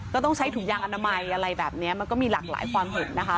ต้องใช้ถุงยางอนามัยอะไรแบบนี้มันก็มีหลากหลายความเห็นนะคะ